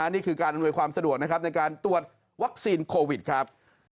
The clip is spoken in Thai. นี่คือการอำนวยความสะดวกนะครับในการตรวจวัคซีนโควิดครับ